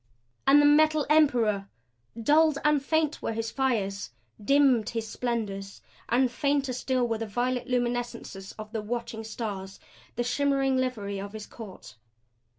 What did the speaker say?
And the Metal Emperor! Dulled and faint were his fires, dimmed his splendors; and fainter still were the violet luminescences of the watching Stars, the shimmering livery of his court.